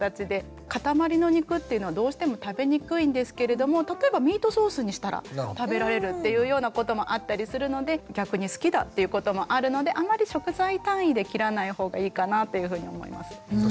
塊の肉っていうのはどうしても食べにくいんですけれども例えばミートソースにしたら食べられるっていうようなこともあったりするので逆に好きだっていうこともあるのであんまり食材単位で切らない方がいいかなというふうに思います。